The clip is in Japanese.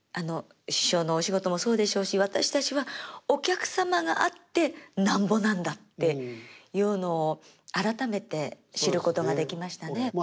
師匠のお仕事もそうでしょうし私たちはお客様があってなんぼなんだっていうのを改めて知ることができましたね。